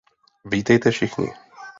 Vítejte všichni.